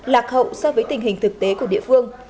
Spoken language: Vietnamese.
lạc hậu so với tình hình thực tế của địa phương